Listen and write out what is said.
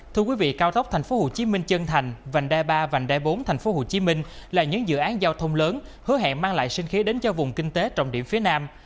thưa quý vị cao tốc tp hcm chân thành vành đai ba vành đai bốn tp hcm là những dự án giao thông lớn hứa hẹn mang lại sinh khí đến cho vùng kinh tế trọng điểm phía nam